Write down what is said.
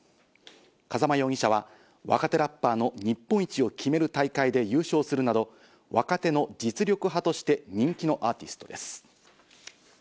風間容疑者は若手ラッパーの日本一を決める大会で優勝するなど、若手の実力派として人気のアーティストです。